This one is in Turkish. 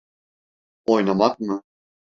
Oynamak mı?